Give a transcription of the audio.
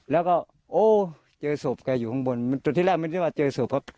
แล้วก็โอ้เจอศพแกอยู่ข้างบนจุดที่แรกไม่ได้ว่าเจอศพครับ